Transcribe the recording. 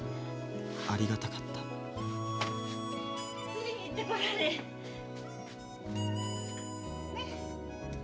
ありがたかった釣りに行ってこられ。ね？